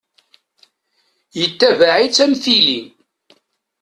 Yettabaɛ-itt am tili.